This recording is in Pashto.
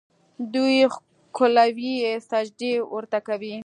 دوی ښکلوي یې، سجدې ورته کوي.